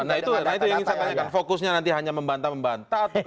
nah itu yang ingin saya tanyakan fokusnya nanti hanya membantah membantah atau